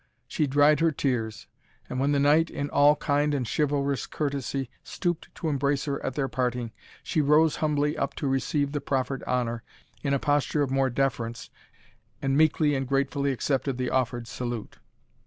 She dried her tears; and when the knight, in all kind and chivalrous courtesy, stooped to embrace her at their parting, she rose humbly up to receive the proffered honour in a posture of more deference, and meekly and gratefully accepted the offered salute.